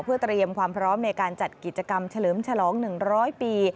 เพื่อเตรียมความพร้อมในการจัดกิจกรรมเฉลิมฉลอง๑๐๐ปี